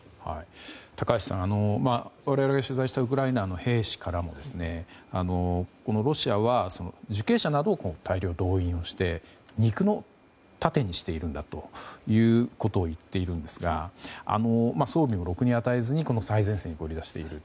高橋さん、我々が取材したウクライナの兵士からもロシアは受刑者などを大量に動員して肉の盾にしているんだということをいっているんですが装備もろくに与えずにこの最前線に放り出している。